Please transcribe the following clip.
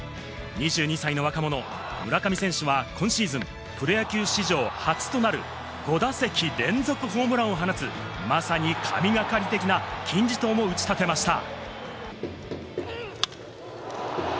２２歳の若者・村上選手は今シーズン、プロ野球史上初となる５打席連続ホームランを放つ、まさに神がかり的な金字塔も打ち立てました。